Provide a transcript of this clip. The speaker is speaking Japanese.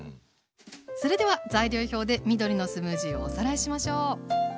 それでは材料表で緑のスムージーをおさらいしましょう。